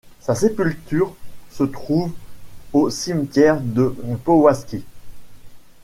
Sa sépulture se trouve au Cimetière de Powązki.